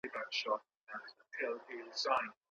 پیروی څنګه جوړیږي ؟